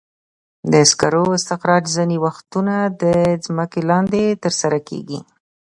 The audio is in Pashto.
د سکرو استخراج ځینې وختونه د ځمکې لاندې ترسره کېږي.